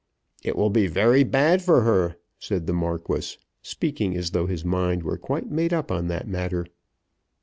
"It will be very bad for her," said the Marquis, speaking as though his mind were quite made up on that matter.